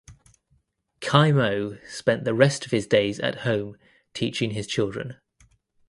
Cai Mo spent the rest of his days at home teaching his children.